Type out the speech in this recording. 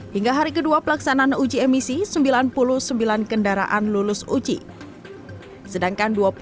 hingga hari kedua pelaksanaan uji emisi sembilan puluh sembilan kendaraan lulus uji sedangkan